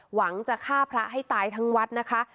หวังจะฆ่าพระให้ตายทั้งวัดนะคะ